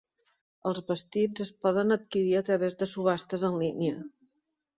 Els vestits es poden adquirir a través de subhastes en línia.